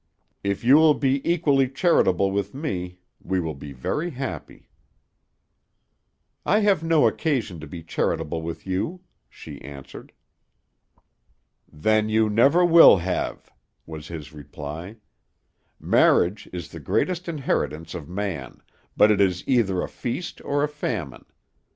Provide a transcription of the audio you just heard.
If you will be equally charitable with me, we will be very happy." "I have no occasion to be charitable with you," she answered. "Then you never will have," was his reply. "Marriage is the greatest inheritance of man, but it is either a feast or a famine.